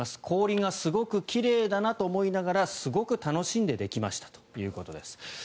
氷がすごく奇麗だなと思いながらすごく楽しんでできましたということです。